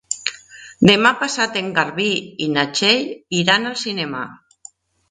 Demà passat en Garbí i na Txell iran al cinema.